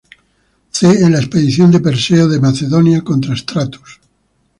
C en la expedición de Perseo de Macedonia contra Stratus.